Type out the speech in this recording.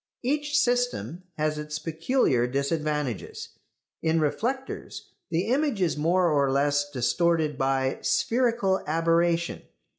Each system has its peculiar disadvantages. In reflectors the image is more or less distorted by "spherical aberration."